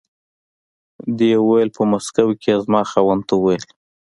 دې وویل په مسکو کې یې زما خاوند ته و ویل.